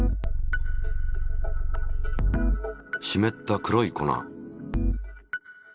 湿った黒い粉。